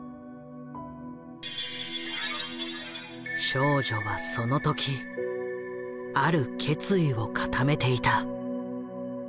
少女はその時ある決意を固めていた。